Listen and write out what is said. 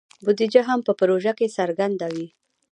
بودیجه هم په پروژه کې څرګنده وي.